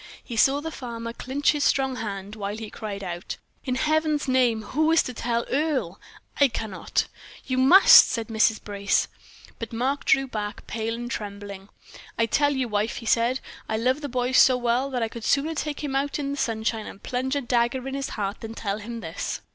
He saw the farmer clinch his strong hand, while he cried out: "In Heaven's name, who is to tell Earle? I cannot." "You must!" said Mrs. Brace. But Mark drew back pale and trembling. "I tell you, wife," he said, "I love the boy so well that I could sooner take him out in the sunshine and plunge a dagger in his heart than tell him this."